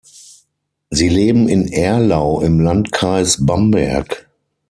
Sie leben in Erlau im Landkreis Bamberg.